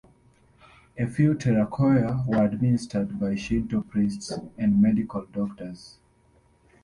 A few terakoya were administered by Shinto priests and medical doctors.